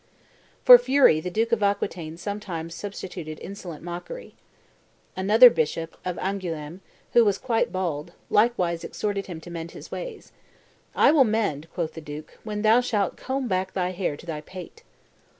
For fury the duke of Aquitaine sometimes substituted insolent mockery. Another bishop, of Angouleme, who was quite bald, likewise exhorted him to mend his ways. "I will mend," quoth the duke, "when thou shalt comb back thy hair to thy pate."